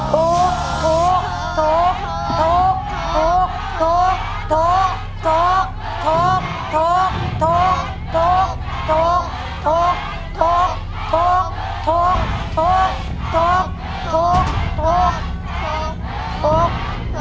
โตกโตกโตกโตกโตกโตกโตก